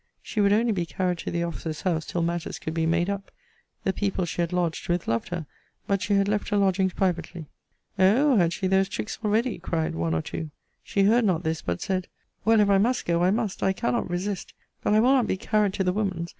She would only be carried to the officer's house till matters could be made up. The people she had lodged with loved her: but she had left her lodgings privately. Oh! had she those tricks already? cried one or two. She heard not this but said Well, if I must go, I must I cannot resist but I will not be carried to the woman's!